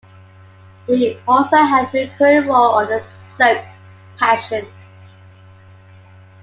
He also had a recurring role on the soap "Passions".